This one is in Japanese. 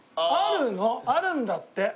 あるんだって。